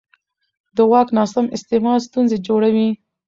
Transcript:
د واک ناسم استعمال ستونزې جوړوي